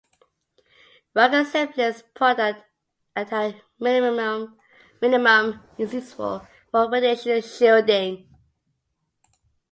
Rock is the simplest product, and at minimum is useful for radiation shielding.